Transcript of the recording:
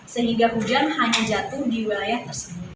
sehingga hujan hanya jatuh di wilayah tersebut